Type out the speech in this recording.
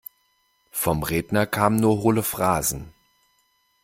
Vom Redner kamen nur hohle Phrasen.